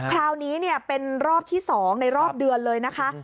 คราวนี้เป็นรอบที่๒ในรอบเดือนเลยนะคะ